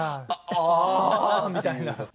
「ああ」みたいな。